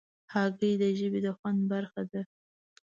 هګۍ د ژبې د خوند برخه ده.